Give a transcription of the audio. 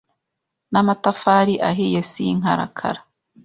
N'amatafari ahiye si inkarakara